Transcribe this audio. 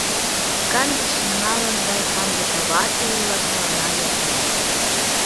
Канде шыҥалык гай канде кава, тые улат мыланна ялт ава.